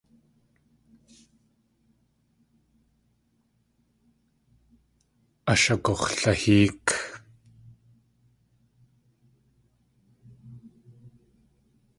Ashagux̲lahéek.